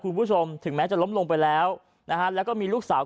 คุณผู้ชมถึงแม้จะล้มลงไปแล้วแล้วก็มีลูกสาว